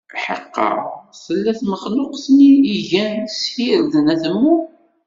Ḥeqqa tella tmexluqt-nni igan s yirden atemmu.